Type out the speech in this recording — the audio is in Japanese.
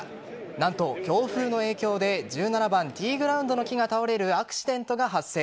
何と、強風の影響で１７番ティーグラウンドの木が倒れるアクシデントが発生。